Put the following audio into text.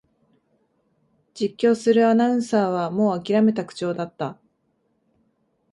実況するアナウンサーはもうあきらめた口調だった